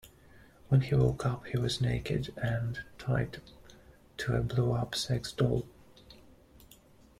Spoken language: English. When he woke up, he was naked and tied to a blow-up sex doll.